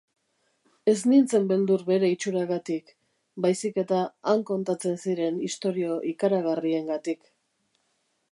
Ez nintzen beldur bere itxuragatik, baizik eta han kontatzen ziren istorio ikaragarriengatik.